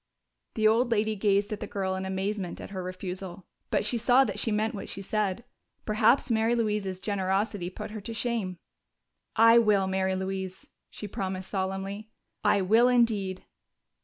The old lady gazed at the girl in amazement at her refusal. But she saw that she meant what she said; perhaps Mary Louise's generosity put her to shame. "I will, Mary Louise," she promised solemnly. "I will indeed."